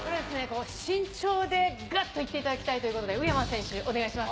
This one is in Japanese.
身長でがっといっていただきたいということで、宇山選手、お願いします。